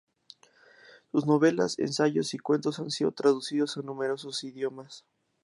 Sus novelas, ensayos y cuentos han sido traducidos a numerosos idiomas.